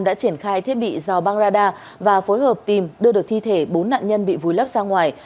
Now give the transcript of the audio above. đã triển khai thiết bị dầu băng radar và phối hợp tìm đưa được thi thể bốn nạn nhân bị vùi lấp ra ngoài